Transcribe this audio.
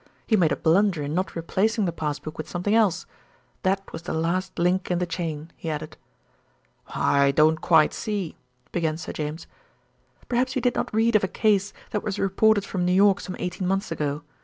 He made a blunder in not replacing the pass book with something else. That was the last link in the chain," he added. "I don't quite see " began Sir James. "Perhaps you did not read of a case that was reported from New York some eighteen months ago.